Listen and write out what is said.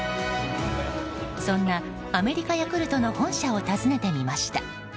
そんなアメリカヤクルトの本社を訪ねてみました。